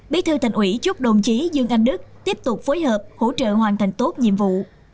bí thư thành ủy chúc đồng chí dương anh đức tiếp tục phối hợp hỗ trợ hoàn thành tốt nhiệm vụ